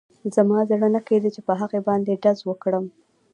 زما زړه نه کېده چې په هغه باندې ډز وکړم